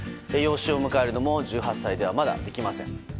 養子を迎えるのも１８歳ではまだできません。